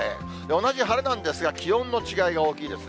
同じ晴れなんですが、気温の違い大きいですね。